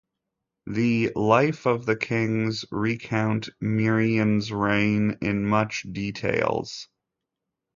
The "Life of the Kings" recount Mirian's reign in much details.